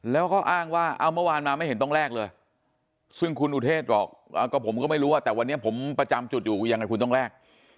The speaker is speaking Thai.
แล้วก็อ้างว่าเอาเมื่อวานมาไม่เห็นต้องแลกเลยซึ่งคุณอุเทศบอกก็ผมก็ไม่รู้ว่าแต่วันนี้ผมประจำจุดอยู่ยังไงคุณต้องแลก